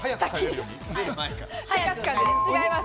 違います。